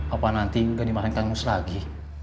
apa nanti gak dimahamin tanggungus lagi